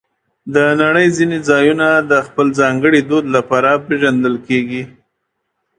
د نړۍ ځینې ځایونه د خپل ځانګړي دود لپاره پېژندل کېږي.